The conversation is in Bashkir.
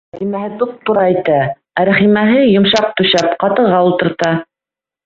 Ғәзимәһе туп-тура әйтә, ә Рәхимәһе, йомшаҡ түшәп, ҡатыға ултырта.